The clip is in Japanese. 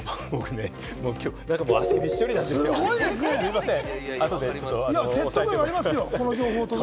もう汗びっしょりなんですよ、すみません。